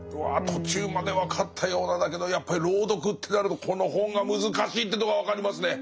途中まで分かったようなだけどやっぱり朗読ってなるとこの本が難しいってとこが分かりますね。